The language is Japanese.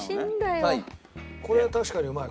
これは確かにうまい。